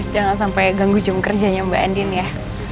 jangan sampai ganggu jam kerjanya mbak andin ya